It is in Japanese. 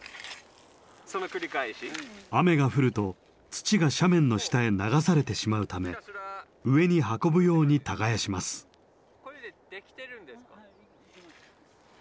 雨が降ると土が斜面の下へ流されてしまうため上に運ぶように耕します。